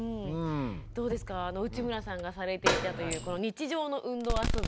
どうですか内村さんがされていたというこの日常の運動遊び